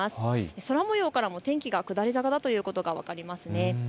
空もようからも天気が下り坂ということが分かります。